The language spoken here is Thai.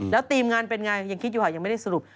แล้วทีมงานเป็นไงยังคิดอยู่ค่ะยังไม่ได้สรุป